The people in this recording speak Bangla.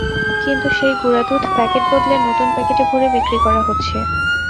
কিন্তু সেই গুঁড়া দুধ প্যাকেট বদলে নতুন প্যাকেটে ভরে বিক্রি করা হচ্ছে।